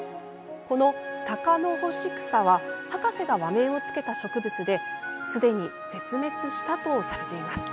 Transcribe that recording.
このタカノホシクサは博士が和名をつけた植物ですでに絶滅したとされています。